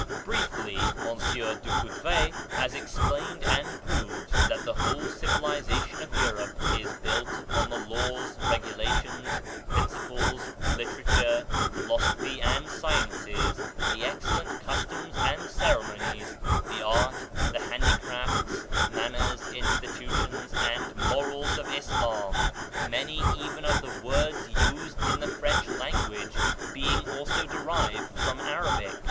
Briefly, M. Ducoudray has explained and proves that the whole civilization of Europe is built upon the laws, regulations, principles, litera mre, philosophy and sciences, the excellent cus toms and ceremonies, the art, the handicrafts, manners, institutions, and morals of Islam, many even of the words used in the French language being also derived from Arabic.